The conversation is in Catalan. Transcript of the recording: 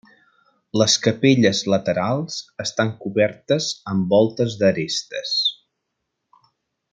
Les capelles laterals estan cobertes amb voltes d'arestes.